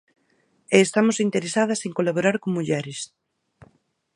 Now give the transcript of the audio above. E estamos interesadas en colaborar con mulleres.